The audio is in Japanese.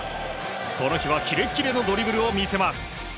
この日はキレッキレのドリブルを見せます。